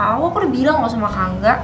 aku udah bilang gak usah makan angga